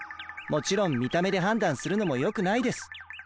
もちろん見た目で判断するのもよくないです。